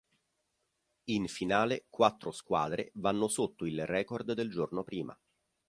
In finale quattro squadre vanno sotto il record del giorno prima.